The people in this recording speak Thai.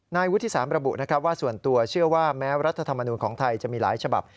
นายวุฒิสามระบุนะครับว่าส่วนตัวเชื่อว่าแม้รัฐธรรมนูลของไทยจะมีหลายฉบับ